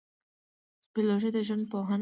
بیولوژي د ژوند پوهنه ده